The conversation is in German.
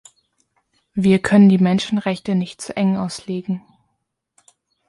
Wir können die Menschenrechte nicht zu eng auslegen.